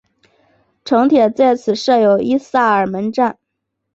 城铁在此设有伊萨尔门站。